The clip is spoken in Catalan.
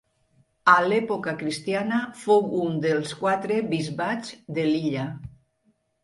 A l'època cristiana fou un dels quatre bisbats de l'illa.